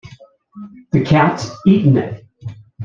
The cat's eaten it.